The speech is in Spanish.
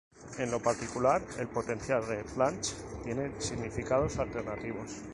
En lo particular el "potencial de Planck" tiene significados alternativos.